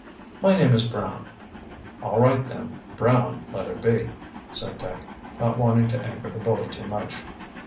"My name is Brown." "All right then, Brown let it be," said Dick, not wanting to anger the bully too much.